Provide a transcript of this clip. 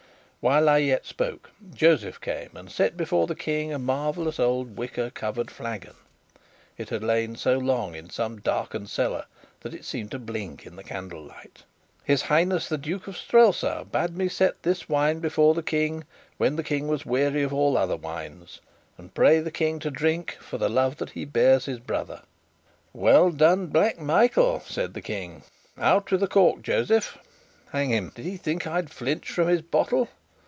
While I yet spoke, Josef came and set before the King a marvellous old wicker covered flagon. It had lain so long in some darkened cellar that it seemed to blink in the candlelight. "His Highness the Duke of Strelsau bade me set this wine before the King, when the King was weary of all other wines, and pray the King to drink, for the love that he bears his brother." "Well done, Black Michael!" said the King. "Out with the cork, Josef. Hang him! Did he think I'd flinch from his bottle?"